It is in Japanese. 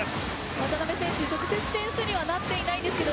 渡邊選手、直接点数にはなっていないんですけど